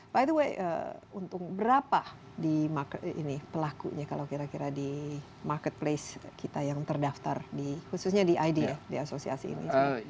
pak itu untung berapa pelakunya kalau kira kira di marketplace kita yang terdaftar di khususnya di id ya di asosiasi ini